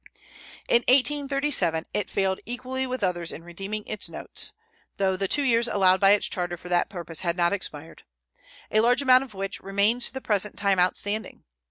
In 1837 it failed equally with others in redeeming its notes (though the two years allowed by its charter for that purpose had not expired), a large amount of which remains to the present time outstanding.